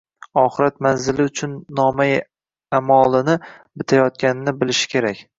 oxirat manzili uchun nomai a’molini bitayotganini bilishi kerak.